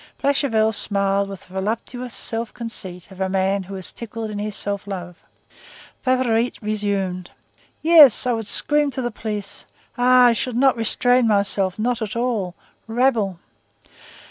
Blachevelle smiled with the voluptuous self conceit of a man who is tickled in his self love. Favourite resumed:— "Yes, I would scream to the police! Ah! I should not restrain myself, not at all! Rabble!"